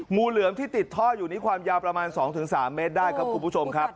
งูเหลือมที่ติดท่ออยู่นี้ความยาวประมาณ๒๓เมตรได้ครับคุณผู้ชมครับ